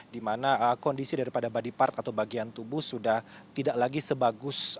di mana kondisi daripada body part atau bagian tubuh sudah tidak lagi sebagus